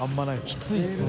きついですね。